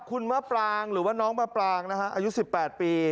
คุณมะปรางหรือว่าน้องมะปรางนะฮะอายุ๑๘ปี